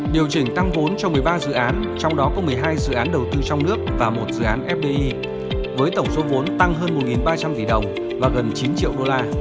điều chỉnh tăng vốn cho một mươi ba dự án trong đó có một mươi hai dự án đầu tư trong nước và một dự án fdi với tổng số vốn tăng hơn một ba trăm linh tỷ đồng và gần chín triệu đô la